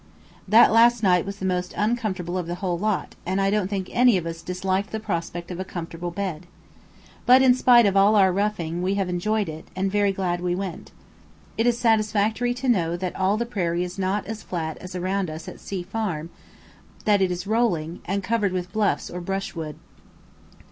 That last night was the most uncomfortable of the whole lot, and I don't think any of us disliked the prospect of a comfortable bed. But in spite of all our roughing we have enjoyed it, and very glad we went. It is satisfactory to know that all the prairie is not as flat as around us at C Farm, that it is rolling, and covered with bluffs or brushwood.